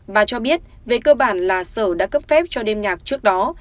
bà cho biết về cơ bản là sở đã cấp phép cho đêm nhạc trước đó